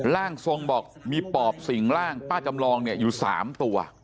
ร่างทรงบอกมีปอบสิ่งร่างป้าจำลองเนี่ยอยู่๓ตัว